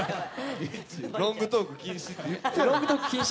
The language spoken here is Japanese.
ロングトーク禁止。